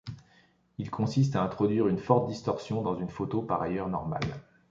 Il consiste à introduire une forte distorsion dans une photo, par ailleurs normale.